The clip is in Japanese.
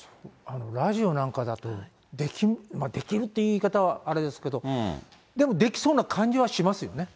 ラジオなんかだと、できるっていう言い方はあれですけど、でもできそうな感じはしますよね。